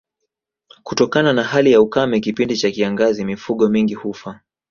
Kutokana na hali ya ukame kipindi cha kiangazi mifugo mingi hufa